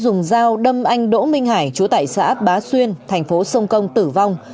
và dùng dao đâm anh đỗ minh hải trú tại xã bá xuyên thành phố sông công tử vong